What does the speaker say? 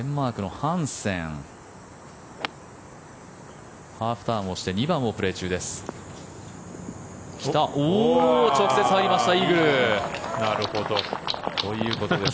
ハーフターンをして２番をプレー中です。